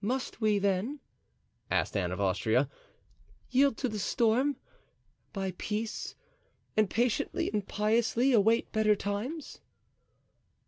"Must we, then," asked Anne of Austria, "yield to the storm, buy peace, and patiently and piously await better times?"